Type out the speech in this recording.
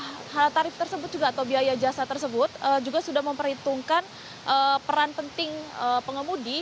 karena tarif tersebut juga atau biaya jasa tersebut juga sudah memperhitungkan peran penting pengemudi